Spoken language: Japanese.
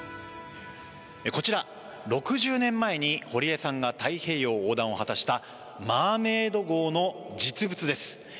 こちら、６０年前に堀江さんが太平洋横断を果たした「マーメイド号」の実物です。